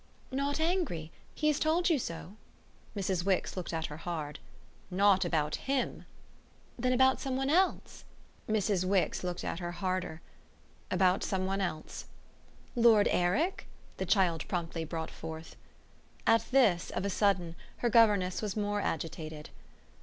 "Not angry? He has told you so?" Mrs. Wix looked at her hard. "Not about HIM!" "Then about some one else?" Mrs. Wix looked at her harder. "About some one else." "Lord Eric?" the child promptly brought forth. At this, of a sudden, her governess was more agitated.